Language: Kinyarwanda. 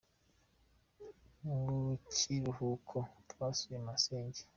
Mukiruhuko twasuye masenge.